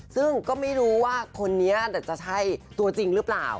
ซึ่งก็ไม่รู้ว่าคนนี้จะใช่ตัวจริงหรือเปล่า